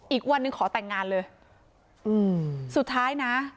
อีกวันหนึ่งขอแต่งงานเลยอืมสุดท้ายนะ